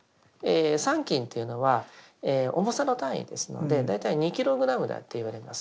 三斤というのは重さの単位ですので大体２ｋｇだといわれます。